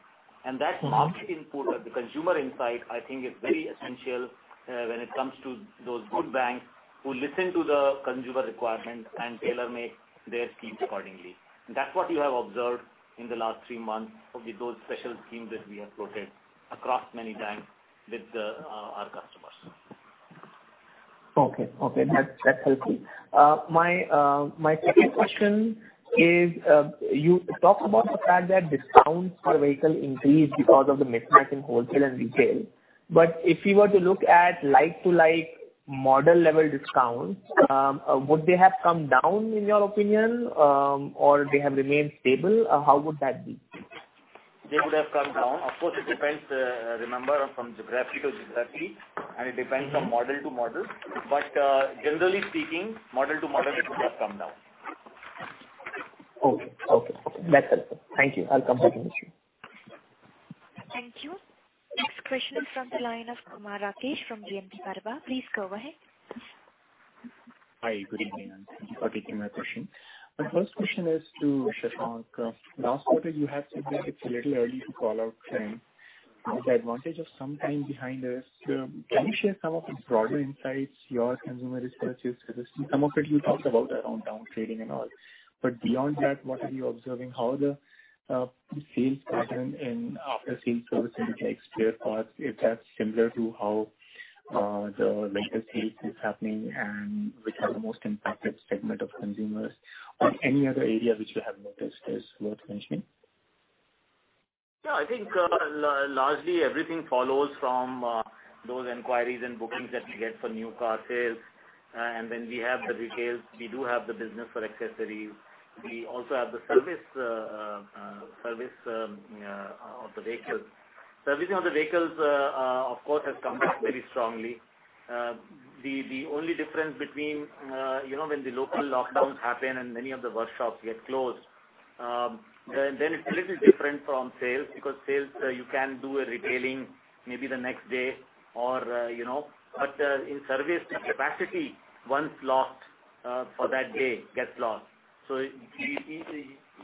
Speaker 5: That market input, the consumer insight, I think is very essential when it comes to those good banks who listen to the consumer requirement and tailor-make their schemes accordingly. That is what you have observed in the last three months with those special schemes that we have floated across many banks with our customers.
Speaker 14: Okay. Okay. That's helpful. My second question is, you talked about the fact that discounts for vehicle increase because of the mismatch in wholesale and retail. If you were to look at like-to-like model-level discounts, would they have come down in your opinion, or they have remained stable? How would that be?
Speaker 5: They would have come down. Of course, it depends, remember, from geography to geography, and it depends from model to model. Generally speaking, model to model, it would have come down.
Speaker 14: Okay. Okay. Okay. That's helpful. Thank you. I'll come back in this room.
Speaker 3: Thank you. Next question is from the line of Kumar Rakesh from BNP Paribas. Please go ahead.
Speaker 15: Hi. Good evening. Thank you for taking my question. My first question is to Shashank. Last quarter, you have said that it's a little early to call out trends. The advantage of some time behind us, can you share some of the broader insights your consumer is purchased with? Some of it you talked about around downtrading and all. Beyond that, what are you observing? How the sales pattern in after-sales servicing like spare parts, if that's similar to how the latest sales is happening and which are the most impacted segment of consumers? Any other area which you have noticed is worth mentioning?
Speaker 5: Yeah. I think largely everything follows from those inquiries and bookings that we get for new car sales. And then we have the retails. We do have the business for accessories. We also have the service of the vehicles. Servicing of the vehicles, of course, has come back very strongly. The only difference between when the local lockdowns happen and many of the workshops get closed, then it's a little different from sales because sales, you can do a retailing maybe the next day. In service, the capacity once locked for that day gets locked.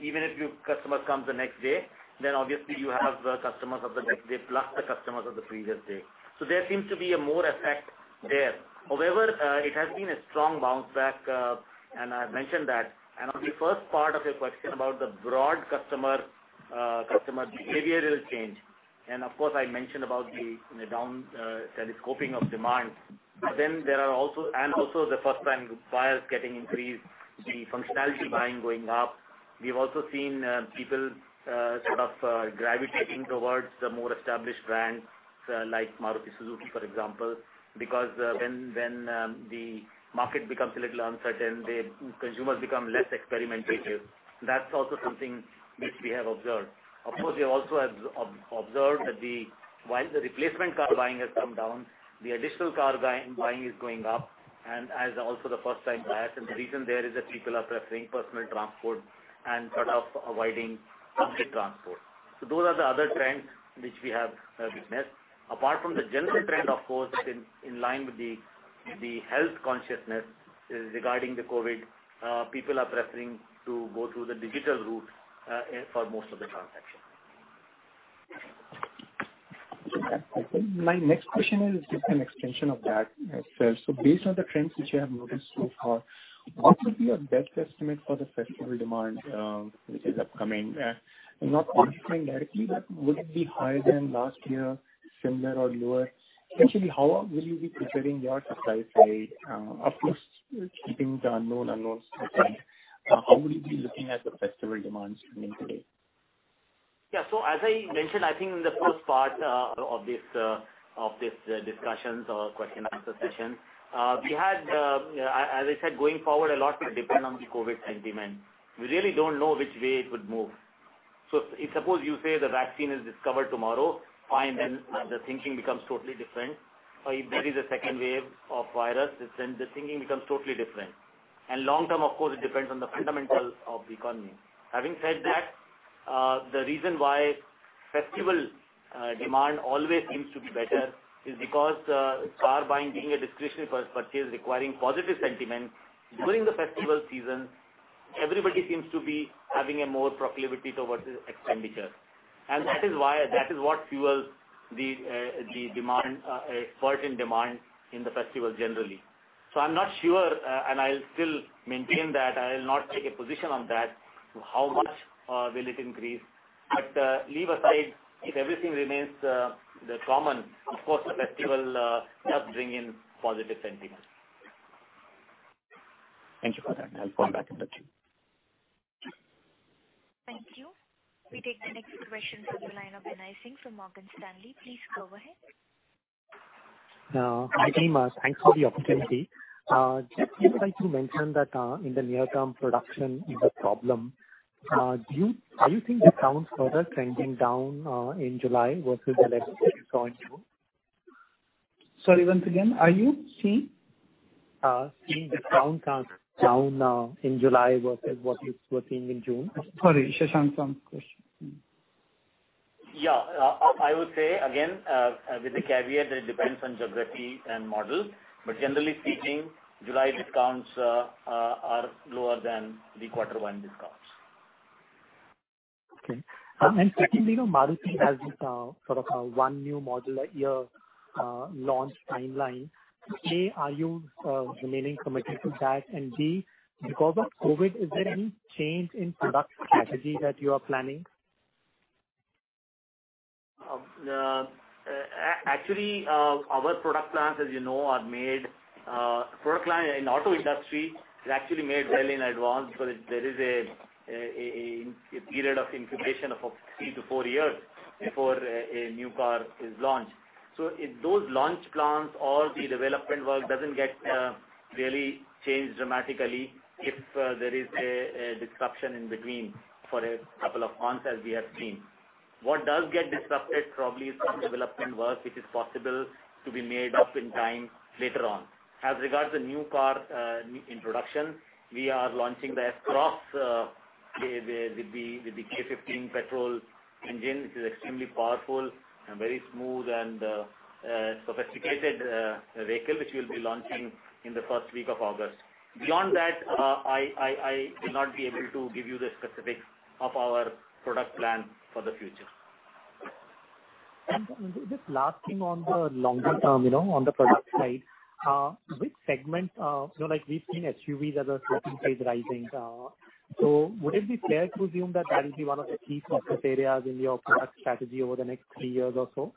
Speaker 5: Even if your customer comes the next day, then obviously you have customers of the next day plus the customers of the previous day. There seems to be a more effect there. However, it has been a strong bounce back, and I mentioned that. On the first part of your question about the broad customer behavioral change, I mentioned about the down telescoping of demand. There are also the first-time buyers getting increased, the functionality buying going up. We have also seen people sort of gravitating towards the more established brands like Maruti Suzuki, for example, because when the market becomes a little uncertain, the consumers become less experimentative. That is also something which we have observed. We have also observed that while the replacement car buying has come down, the additional car buying is going up, and as also the first-time buyers. The reason there is that people are preferring personal transport and sort of avoiding public transport. Those are the other trends which we have witnessed. Apart from the general trend, of course, in line with the health consciousness regarding the COVID, people are preferring to go through the digital route for most of the transactions.
Speaker 15: My next question is just an extension of that, Seth. Based on the trends which you have noticed so far, what would be your best estimate for the festival demand which is upcoming? Not participating directly, but would it be higher than last year, similar, or lower? Essentially, how will you be preparing your supply side? Of course, keeping the unknown unknowns outside. How will you be looking at the festival demands coming today?
Speaker 5: Yeah. As I mentioned, I think in the first part of this discussion or question-answer session, we had, as I said, going forward a lot to depend on the COVID sentiment. We really do not know which way it would move. Suppose you say the vaccine is discovered tomorrow, fine, then the thinking becomes totally different. If there is a second wave of virus, the thinking becomes totally different. Long term, of course, it depends on the fundamentals of the economy. Having said that, the reason why festival demand always seems to be better is because car buying, being a discretionary purchase requiring positive sentiment, during the festival season, everybody seems to be having a more proclivity towards expenditure. That is why that is what fuels the demand, spurts in demand in the festival generally. I'm not sure, and I'll still maintain that I'll not take a position on that, how much will it increase. Leave aside, if everything remains the common, of course, the festival does bring in positive sentiment.
Speaker 15: Thank you for that. I'll come back in that too.
Speaker 3: Thank you. We take the next question from the line of Binay Singh from Morgan Stanley. Please go ahead.
Speaker 16: Hi, Neema. Thanks for the opportunity. Just would like to mention that in the near term, production is a problem. Do you think the towns further trending down in July versus the latest that you saw in June?
Speaker 2: Sorry, once again, are you seeing?
Speaker 16: Seeing the towns down in July versus what you were seeing in June?
Speaker 2: Sorry, Shashank's question.
Speaker 5: Yeah. I would say, again, with the caveat that it depends on geography and model. Generally speaking, July discounts are lower than the quarter one discounts.
Speaker 16: Okay. Secondly, Maruti has sort of one new model that you launched timeline. A, are you remaining committed to that? B, because of COVID, is there any change in product strategy that you are planning?
Speaker 5: Actually, our product plans, as you know, are made product plans in auto industry are actually made well in advance because there is a period of incubation of three to four years before a new car is launched. So those launch plans or the development work does not get really changed dramatically if there is a disruption in between for a couple of months, as we have seen. What does get disrupted probably is some development work which is possible to be made up in time later on. As regards to new car introduction, we are launching the S-Cross with the K15 petrol engine, which is extremely powerful and very smooth and sophisticated vehicle, which we will be launching in the first week of August. Beyond that, I will not be able to give you the specifics of our product plan for the future.
Speaker 16: Just last thing on the longer term, on the product side, which segment, we've seen SUVs as a sweeping phase rising. Would it be fair to assume that that will be one of the key focus areas in your product strategy over the next three years or so?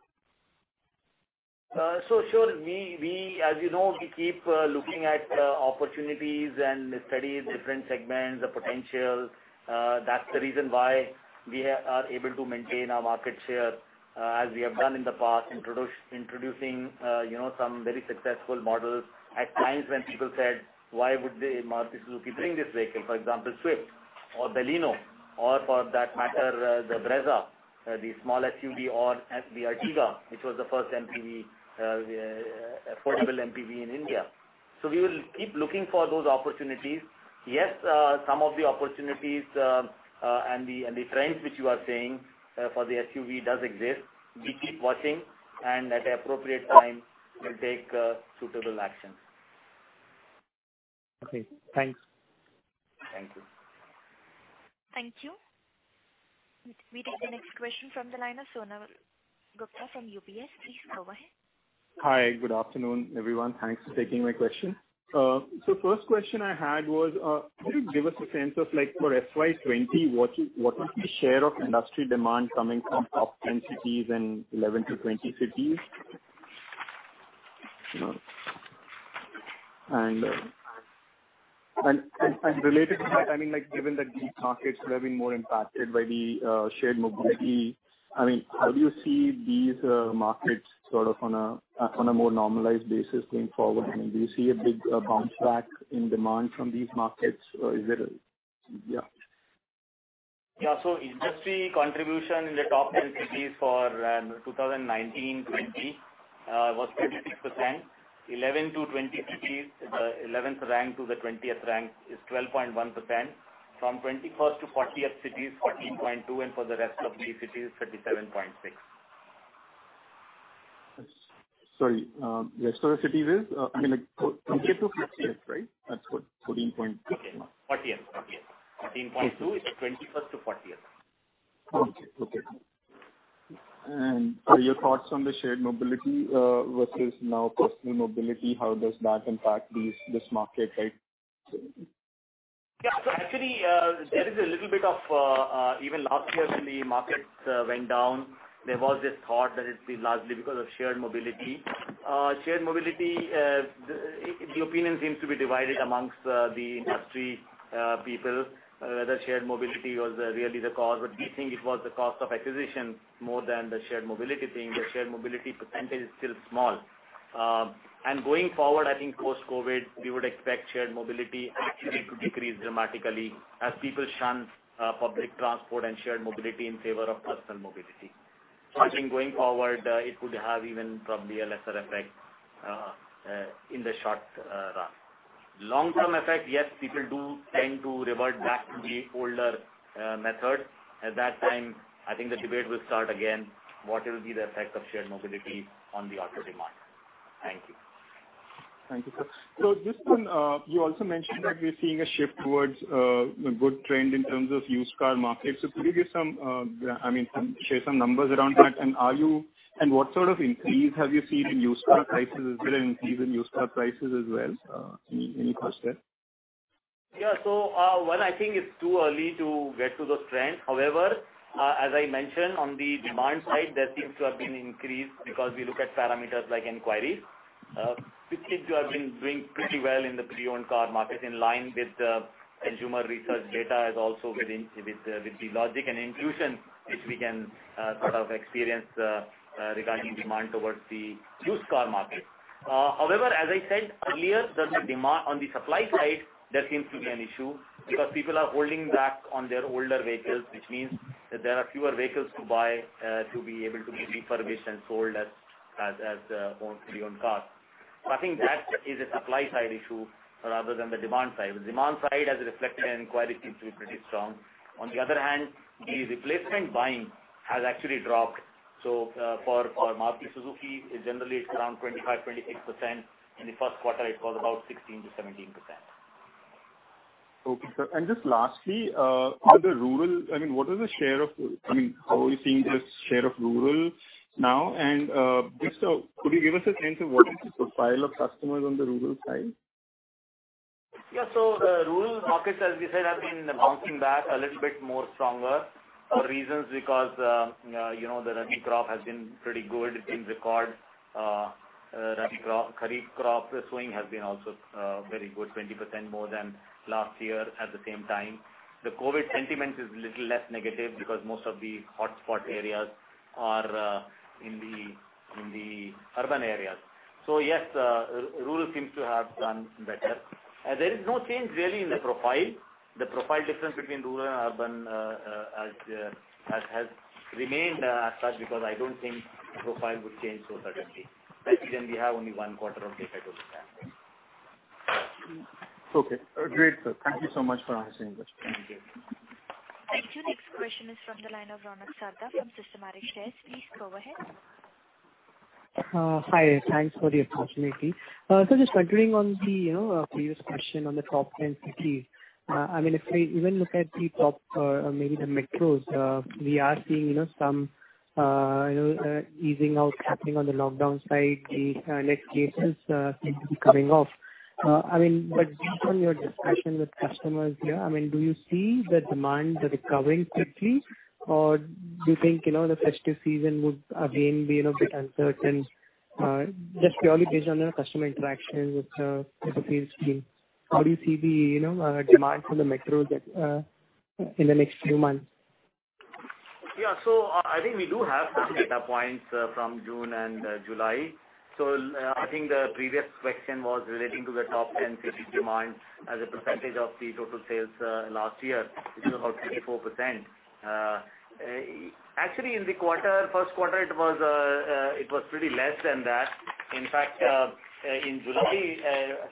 Speaker 5: Sure. As you know, we keep looking at opportunities and study different segments, the potential. That's the reason why we are able to maintain our market share, as we have done in the past, introducing some very successful models at times when people said, "Why would Maruti Suzuki bring this vehicle?" For example, Swift or Baleno or, for that matter, the Brezza, the small SUV, or the Ertiga, which was the first affordable MPV in India. We will keep looking for those opportunities. Yes, some of the opportunities and the trends which you are seeing for the SUV does exist. We keep watching, and at the appropriate time, we'll take suitable action.
Speaker 16: Okay. Thanks.
Speaker 5: Thank you.
Speaker 3: Thank you. We take the next question from the line of Sonal Gupta from UBS. Please go ahead.
Speaker 17: Hi. Good afternoon, everyone. Thanks for taking my question. The first question I had was, could you give us a sense of, for FY2020, what was the share of industry demand coming from top 10 cities and 11 to 20 cities? Related to that, I mean, given that these markets have been more impacted by the shared mobility, I mean, how do you see these markets sort of on a more normalized basis going forward? I mean, do you see a big bounce back in demand from these markets? Yeah.
Speaker 5: Yeah. Industry contribution in the top 10 cities for 2019-2020 was 56%. 11 to 20 cities, the 11th rank to the 20th rank is 12.1%. From 21st to 40th cities, 40.2%, and for the rest of the cities, 37.6%.
Speaker 17: Sorry. Rest of the cities is? I mean, compared to 40th, right? That's what 14.2%?
Speaker 5: Okay. 40th. 40th. 14.2% is 21st to 40th.
Speaker 17: Okay. Okay. Your thoughts on the shared mobility versus now personal mobility, how does that impact this market?
Speaker 5: Yeah. Actually, there is a little bit of even last year, when the market went down, there was this thought that it's largely because of shared mobility. Shared mobility, the opinion seems to be divided amongst the industry people whether shared mobility was really the cause. We think it was the cost of acquisition more than the shared mobility thing. The shared mobility percentage is still small. Going forward, I think post-COVID, we would expect shared mobility actually to decrease dramatically as people shun public transport and shared mobility in favor of personal mobility. I think going forward, it would have even probably a lesser effect in the short run. Long-term effect, yes, people do tend to revert back to the older method. At that time, I think the debate will start again, what will be the effect of shared mobility on the auto demand? Thank you.
Speaker 17: Thank you, sir. Just one, you also mentioned that we're seeing a shift towards a good trend in terms of used car market. Could you give some, I mean, share some numbers around that? What sort of increase have you seen in used car prices? Is there an increase in used car prices as well? Any thoughts there?
Speaker 5: Yeah. One, I think it's too early to get to those trends. However, as I mentioned, on the demand side, there seems to have been an increase because we look at parameters like inquiries, which seem to have been doing pretty well in the pre-owned car market in line with the consumer research data as also with the logic and intuition which we can sort of experience regarding demand towards the used car market. However, as I said earlier, on the supply side, there seems to be an issue because people are holding back on their older vehicles, which means that there are fewer vehicles to buy to be able to be refurbished and sold as pre-owned cars. I think that is a supply side issue rather than the demand side. The demand side, as reflected in inquiries, seems to be pretty strong. On the other hand, the replacement buying has actually dropped. For Maruti Suzuki, generally, it's around 25%-26%. In the first quarter, it was about 16%-17%.
Speaker 17: Okay, sir. Just lastly, for the rural, I mean, what is the share of, I mean, how are you seeing the share of rural now? Just could you give us a sense of what is the profile of customers on the rural side?
Speaker 5: Yeah. The rural markets, as we said, have been bouncing back a little bit more strongly for reasons because the rabi crop has been pretty good. It's been record. The kharif crop sowing has been also very good, 20% more than last year at the same time. The COVID sentiment is a little less negative because most of the hotspot areas are in the urban areas. Yes, rural seems to have done better. There is no change really in the profile. The profile difference between rural and urban has remained as such because I don't think the profile would change so suddenly. Again, we have only one quarter of data to look at.
Speaker 17: Okay. Great, sir. Thank you so much for answering those questions.
Speaker 5: Thank you.
Speaker 3: Thank you. Next question is from the line of Ronak Sarda from Systematix Shares. Please go ahead.
Speaker 18: Hi. Thanks for the opportunity. Just continuing on the previous question on the top 10 cities, I mean, if we even look at the top, maybe the metros, we are seeing some easing out happening on the lockdown side. The net cases seem to be coming off. I mean, but based on your discussion with customers here, I mean, do you see the demand recovering quickly, or do you think the festive season would again be a bit uncertain? Just purely based on your customer interactions with the previous team, how do you see the demand for the metros in the next few months?
Speaker 5: Yeah. I think we do have some data points from June and July. I think the previous question was relating to the top 10 cities' demand as a percentage of the total sales last year, which is about 54%. Actually, in the first quarter, it was pretty less than that. In fact, in July,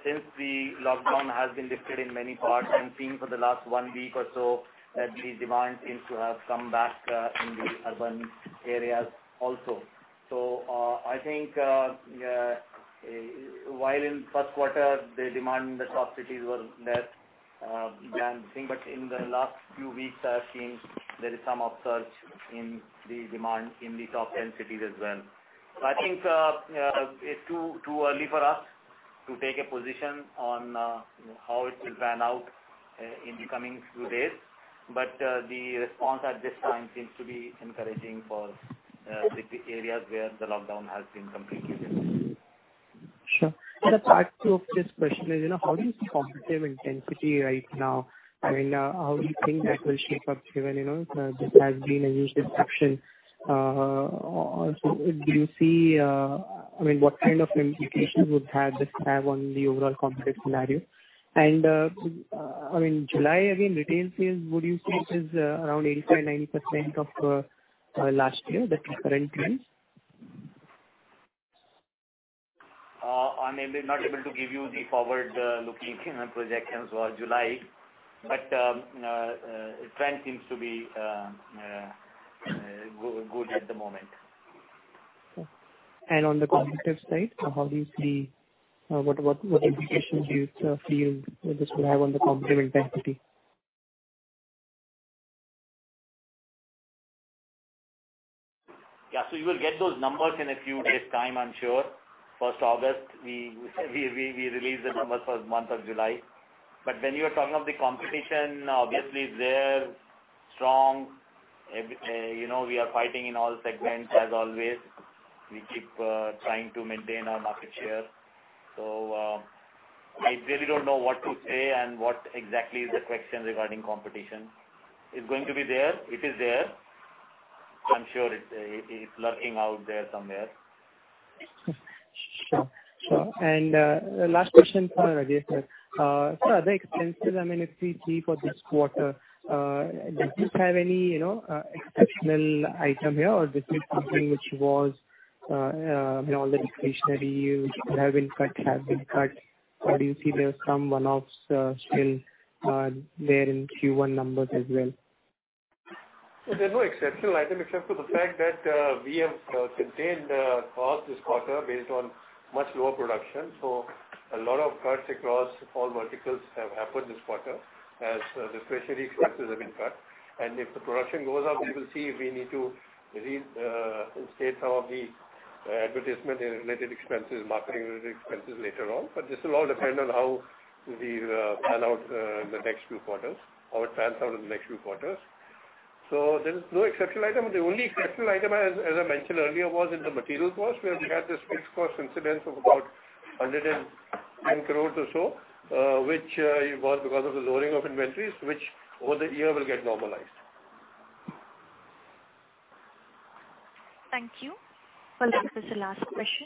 Speaker 5: since the lockdown has been lifted in many parts and seen for the last one week or so that the demand seems to have come back in the urban areas also. I think while in the first quarter, the demand in the top cities was less than the thing, but in the last few weeks, I've seen there is some upsurge in the demand in the top 10 cities as well. I think it's too early for us to take a position on how it will pan out in the coming few days. The response at this time seems to be encouraging for the areas where the lockdown has been completely lifted.
Speaker 18: Sure. The part two of this question is, how do you see competitive intensity right now? I mean, how do you think that will shape up given this has been a huge disruption? Do you see, I mean, what kind of implications would this have on the overall competitive scenario? I mean, July, again, retail sales, would you say it is around 85%-90% of last year that is currently?
Speaker 5: I'm not able to give you the forward-looking projections for July, but the trend seems to be good at the moment.
Speaker 18: On the competitive side, how do you see what implications do you feel this will have on the competitive intensity?
Speaker 5: Yeah. You will get those numbers in a few days' time, I'm sure. First August, we release the numbers for the month of July. When you are talking of the competition, obviously, they're strong. We are fighting in all segments as always. We keep trying to maintain our market share. I really don't know what to say and what exactly is the question regarding competition. It's going to be there. It is there. I'm sure it's lurking out there somewhere.
Speaker 18: Sure. Sure. Last question for Ajay Seth, sir. For other expenses, I mean, if we see for this quarter, do you have any exceptional item here, or this is something which was, I mean, all the discretionary which could have been cut have been cut? Or do you see there are some one-offs still there in Q1 numbers as well?
Speaker 2: is no exceptional item except for the fact that we have contained costs this quarter based on much lower production. A lot of cuts across all verticals have happened this quarter as the specialty expenses have been cut. If the production goes up, we will see if we need to state some of the advertisement-related expenses, marketing-related expenses later on. This will all depend on how we plan out the next few quarters, how it pans out in the next few quarters. There is no exceptional item. The only exceptional item, as I mentioned earlier, was in the materials cost, where we had this fixed cost incidence of about 110 crore or so, which was because of the lowering of inventories, which over the year will get normalized.
Speaker 3: Thank you. That was the last question.